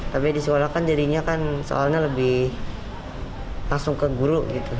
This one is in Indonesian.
tapi di sekolah kan jadinya kan soalnya lebih langsung ke guru gitu